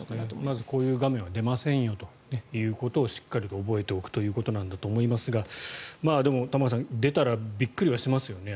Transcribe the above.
まず、こういう画面は出ませんよということをしっかりと覚えておくということなんだと思いますがでも玉川さん、出たらびっくりはしますよね。